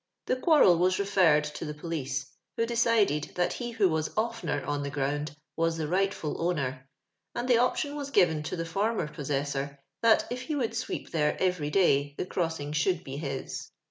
The quarrel was referred to the poUoe, who decided that he who was oftener on the ground was the rightftil owner; and the option was given to the former possessor, Uiat if he would sweep there every day the crossing should be his.